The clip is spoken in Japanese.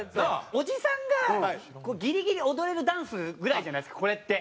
おじさんがギリギリ踊れるダンスぐらいじゃないですかこれって。